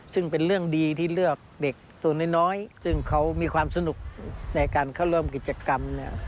ซึ่งเป็นเรื่องดีที่เลือกเด็กตัวน้อยซึ่งเขามีความสนุกในการเข้าร่วมกิจกรรม